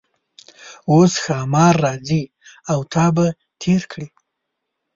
اوس ښامار راځي او تا به تیر کړي.